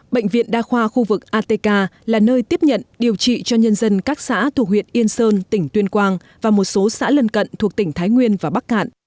bệnh viện đa khoa khu vực atk là nơi tiếp nhận điều trị cho nhân dân các xã thuộc huyện yên sơn tỉnh tuyên quang và một số xã lần cận thuộc tỉnh thái nguyên và bắc cạn